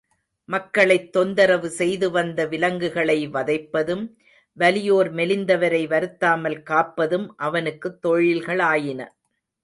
மக்களைத் தொந்தரவு செய்து வந்த விலங்குகளை வதைப்பதும் வலியோர் மெலிந்தவரை வருத்தாமல் காப்பதும் அவனுக்குத் தொழில்களாயின.